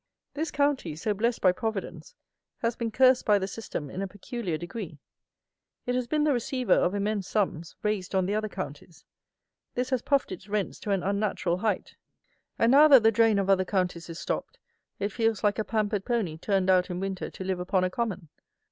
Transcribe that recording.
This county, so blessed by Providence, has been cursed by the System in a peculiar degree. It has been the receiver of immense sums, raised on the other counties. This has puffed its rents to an unnatural height; and now that the drain of other counties is stopped, it feels like a pampered pony turned out in winter to live upon a common.